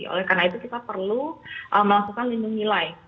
oleh karena itu kita perlu melakukan lindung nilai